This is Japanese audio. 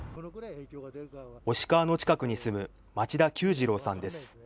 忍川の近くに住む町田久次郎さんです。